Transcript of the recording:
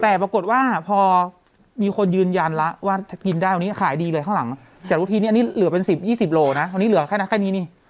แต่ปรากฏว่าพอมีคนยืนยันแล้วว่ากินได้วันนี้ขายดีเลยข้างหลังแต่รู้ทีนี้อันนี้เหลือเป็น๑๐๒๐โลนะตอนนี้เหลือแค่นั้นแค่นี้นี่